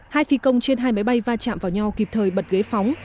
hai phi công trên hai máy bay va chạm vào nhau kịp thời bật ghế phóng